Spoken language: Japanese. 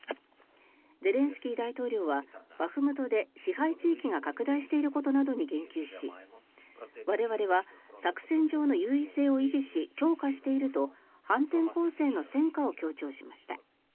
ゼレンスキー大統領はバフムトで支配地域が拡大していることなどに言及し我々は作戦上の優位性を維持し強化していると反転攻勢の戦果を強調しました。